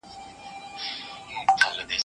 هم یې خزان هم یې بهار ښکلی دی